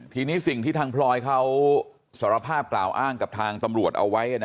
ทีนี้สิ่งที่ทางปลอยแบบเขาบอกกับเป็นทางตำรวจนะครับ